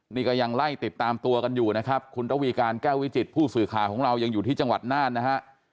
นี่ก็ยังไล่ติดตามตัวกันอยู่นะครับคุณระวีการแก้ววิจิตผู้สื่อข่าวของเรายังอยู่ที่จังหวัดน่านนะฮะ